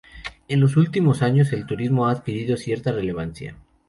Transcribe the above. En los últimos años el turismo ha adquirido cierta relevancia.